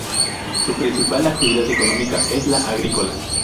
Su principal actividad económica es la agrícola.